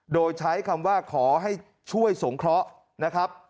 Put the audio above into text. โดยใช้คำว่าขอให้ช่วยสงเคราะห์นะครับ